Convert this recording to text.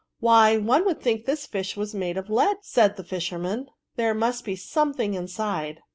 " Why, one would think this fish was made of lead," said the fisherman ;'^ there must be something inside."